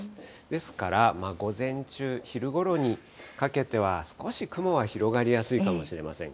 ですから、午前中、昼ごろにかけては少し雲は広がりやすいかもしれません。